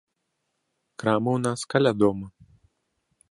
Крамы ў нас каля дома.